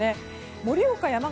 盛岡、山形